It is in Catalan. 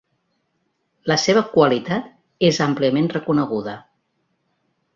La seva qualitat és àmpliament reconeguda.